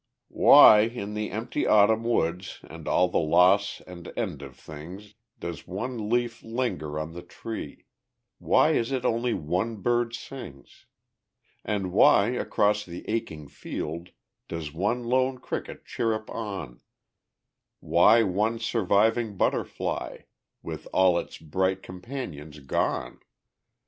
_Why, in the empty Autumn woods, And all the loss and end of things, Does one leaf linger on the tree; Why is it only one bird sings? And why, across the aching field, Does one lone cricket chirrup on; Why one surviving butterfly, With all its bright companions gone?